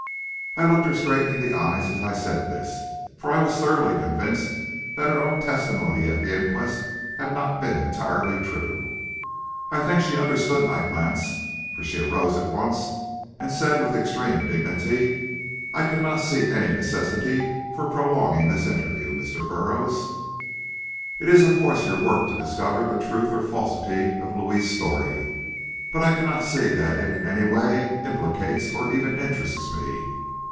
I looked her straight in the eyes as I said this, for I was thoroughly convinced that her own testimony at the inquest had not been entirely true. I think she understood my glance, for she arose at once, and said with extreme dignity: "I cannot see any necessity for prolonging this interview, Mr. Burroughs. It is of course your work to discover the truth or falsity of Louis's story, but I cannot see that it in any way implicates or even interests me."